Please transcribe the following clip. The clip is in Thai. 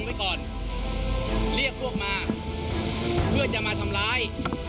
ก็ไม่มีเจริญนาที่จะฆ่าเขาเลย